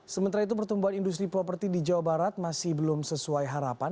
sementara itu pertumbuhan industri properti di jawa barat masih belum sesuai harapan